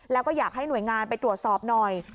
แล้วก็อยากให้หน่วยงานไปตรวจสอบหน่อย